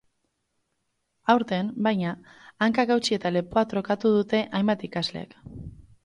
Aurten, baina, hanka hautsi eta lepoa trokatu dute hainbat ikaslek.